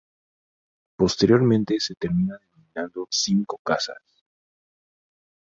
Posteriormente se termina denominando "Cinco Casas".